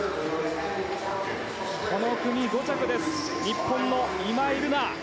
この組５着です日本の今井月。